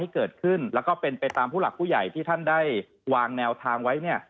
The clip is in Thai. เกิดขึ้นแล้วก็เป็นไปตามผู้หลักผู้ใหญ่ที่ท่านได้วางแนวทางไว้เนี่ย